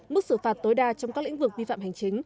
mức xử phạt tối đa trong các lĩnh vực vi phạm hành chính